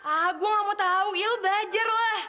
ah gue nggak mau tahu ya lo belajar lah